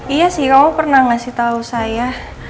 iya sih kamu pernah ngasih tahu saya